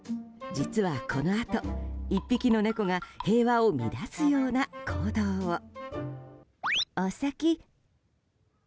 実は、このあと１匹の猫が平和を乱すような行動を。